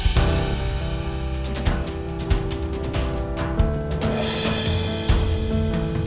mas aku mau nyari aurang